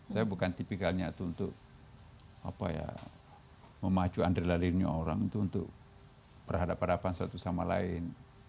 saya bukan tipikalnya itu untuk apa ya memacu andre lalirnya orang itu untuk perhadapan satu sama lain